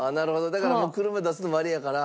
だからもう車出すのもあれやから。